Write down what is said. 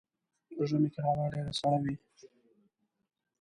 ژمی کې هوا ډیره سړه وي .